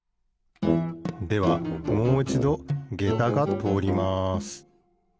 ではもういちどげたがとおります